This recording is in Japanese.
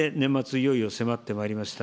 いよいよ迫ってまいりました。